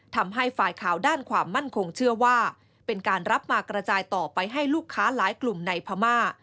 ทำให้ฝ่ายข่าวด้านความมั่นคงเชื่อว่าเป็นการรับมากระจายต่อไปให้ลูกค้าหลายกลุ่มในพม่า